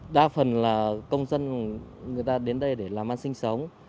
đa phần là công dân người ta đến đây để làm ăn sinh sống